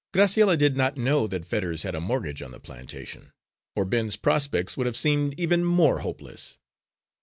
Graciella did not know that Fetters had a mortgage on the plantation, or Ben's prospects would have seemed even more hopeless.